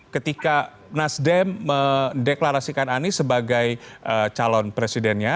ketika nasdem mendeklarasikan anies sebagai calon presidennya